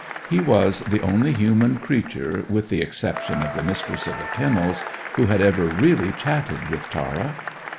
He was the only human creature, with the exception of the Mistress of the Kennels, who had ever really chatted with Tara.